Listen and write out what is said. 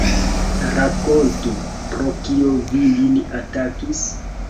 Rakontu, pro kio vi lin atakis?